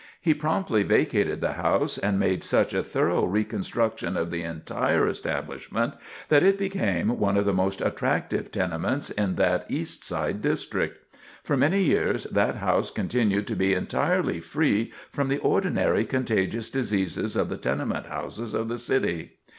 He promptly vacated the house, and made such a thorough reconstruction of the entire establishment that it became one of the most attractive tenements in that East Side district. For many years that house continued to be entirely free from the ordinary contagious diseases of the tenement houses of the city.